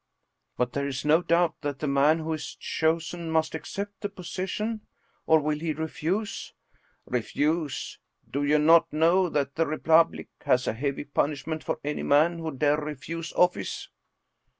" But there is no doubt that the man who is chosen must accept the position? Or will he refuse? " "Refuse! Do you not know that the Republic has a heavy punishment for any man who dare refuse office?"